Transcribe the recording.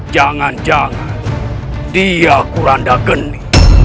jangan jangan dia kuranda geni